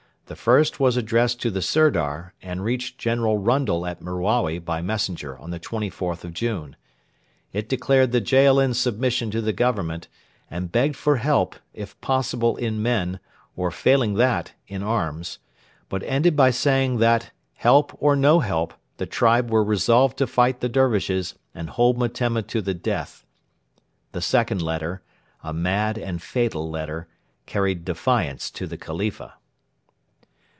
The first was addressed to the Sirdar, and reached General Rundle at Merawi by messenger on the 24th of June. It declared the Jaalin submission to the Government, and begged for help, if possible in men, or, failing that, in arms; but ended by saying that, help or no help, the tribe were resolved to fight the Dervishes and hold Metemma to the death. The second letter a mad and fatal letter carried defiance to the Khalifa.